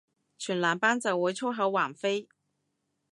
全男班就會粗口橫飛